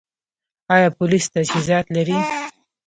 آیا پولیس تجهیزات لري؟